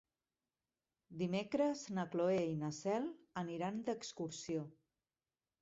Dimecres na Cloè i na Cel aniran d'excursió.